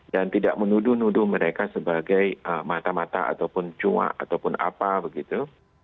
dan tidak menuduh nuduh mereka sebagai mata mata ataupun cua ataupun apa begitu